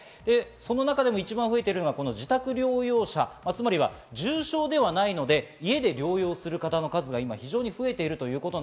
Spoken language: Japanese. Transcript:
その中でも一番増えているのが、自宅療養者、つまり重症ではないので家で療養する方の数が、今非常に増えています。